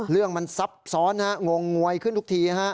เรื่องมันซับซ้อนงงงวยขึ้นทุกที